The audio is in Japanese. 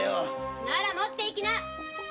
なら持って行きな！